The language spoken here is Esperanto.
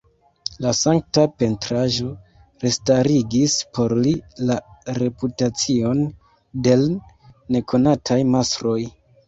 La sankta pentraĵo restarigis por li la reputacion de l' nekonataj mastroj.